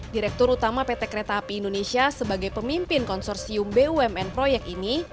direktur utama pt kereta api indonesia sebagai pemimpin konsorsium bumn proyek ini